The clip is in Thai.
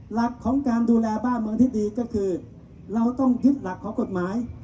หลักของการดูแลบ้านเมืองที่ดีก็คือเราต้องยึดหลักของกฎหมาย